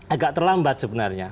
agak terlambat sebenarnya